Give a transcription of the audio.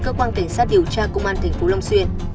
cơ quan cảnh sát điều tra công an tp long xuyên